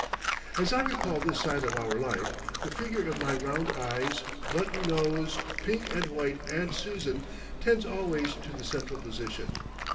As I recall this side of our life, the figure of my round eyes, button nosed, pink and white Aunt Susan tends always to the central position.